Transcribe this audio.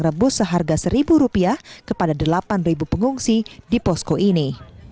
rebus seharga rp satu kepada delapan pengungsi di posko ini